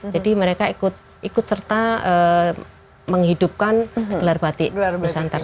jadi mereka ikut serta menghidupkan gelar batik nusantara